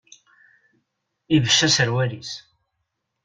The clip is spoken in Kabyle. Ibecc aserwal-is.